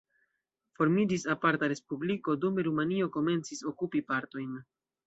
Formiĝis aparta respubliko, dume Rumanio komencis okupi partojn.